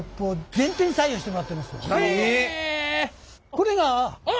これが。